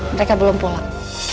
mereka belum pulang